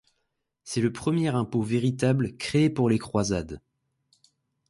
C'est le premier impôt véritable créé pour les croisades.